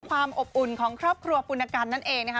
ความอบอุ่นของครอบครัวปุณกันนั่นเองนะคะ